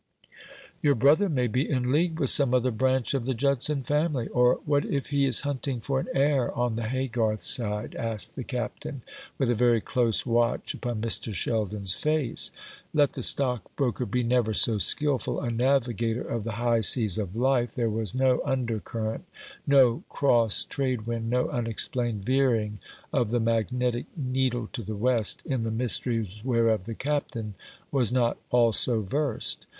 "Your brother may be in league with some other branch of the Judson family. Or what if he is hunting for an heir on the Haygarth side?" asked the Captain, with a very close watch upon Mr. Sheldon's face. Let the stockbroker be never so skilful a navigator of the high seas of life, there was no undercurrent, no cross trade wind, no unexplained veering of the magnetic needle to the west, in the mysteries whereof the Captain was not also versed.